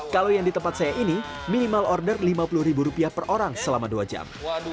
kalau yang di tempat saya ini minimal order lima puluh ribu rupiah per orang selama dua jam